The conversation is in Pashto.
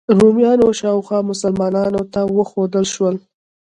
رومیانو او شاوخوا مسلمانانو ته وښودل شول.